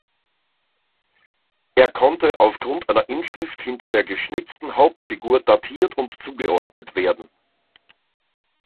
Er konnte aufgrund einer Inschrift hinter der geschnitzten Hauptfigur datiert und zugeordnet werden.